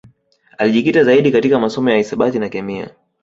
Alijikita zaidi katika masomo ya hisabati na kemia